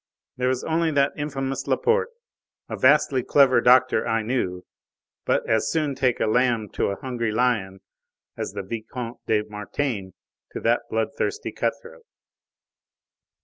There was only that infamous Laporte a vastly clever doctor, I knew but as soon take a lamb to a hungry lion as the Vicomte de Mortaine to that bloodthirsty cut throat.